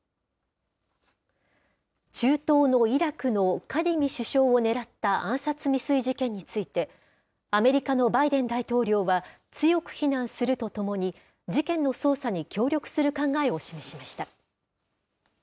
中東のイラクのカディミ首相を狙った暗殺未遂事件について、アメリカのバイデン大統領は強く非難するとともに、事件の捜査に協力する考えを示しました。